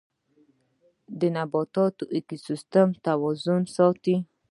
نباتات د ايکوسيستم توازن ساتي